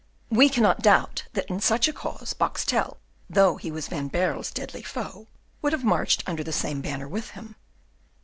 We cannot doubt that in such a cause Boxtel, though he was Van Baerle's deadly foe, would have marched under the same banner with him.